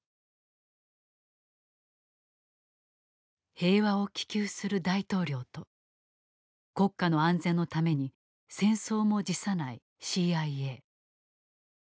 平和を希求する大統領と国家の安全のために戦争も辞さないＣＩＡ。